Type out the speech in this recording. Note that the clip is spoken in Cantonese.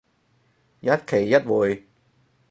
一期一會